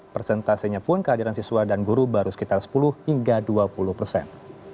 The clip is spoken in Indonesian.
persentasenya pun kehadiran siswa dan guru baru sekitar sepuluh hingga dua puluh persen